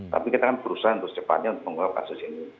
tapi kita harus berusaha untuk secepatnya menguapkan kasus ini